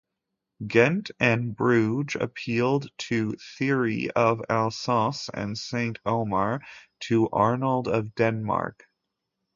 Ghent and Bruge appealed to Thierry of Alsace and Saint-Omer to Arnold of Denmark.